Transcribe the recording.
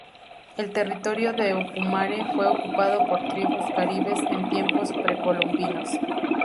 El territorio de Ocumare fue ocupado por tribus caribes en tiempos precolombinos.